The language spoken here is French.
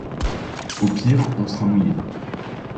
Au pire on sera mouillés.